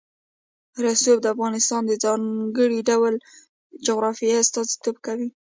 رسوب د افغانستان د ځانګړي ډول جغرافیه استازیتوب کوي.